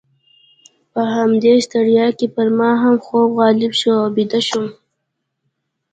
په همدې ستړیا کې پر ما هم خوب غالبه شو او بیده شوم.